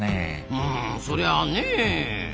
うんそりゃねえ。